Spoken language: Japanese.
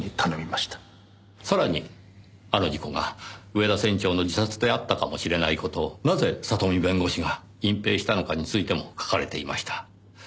さらにあの事故が上田船長の自殺であったかもしれない事をなぜ里見弁護士が隠蔽したのかについても書かれていました。